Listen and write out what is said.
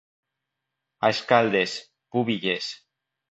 A Escaldes, pubilles.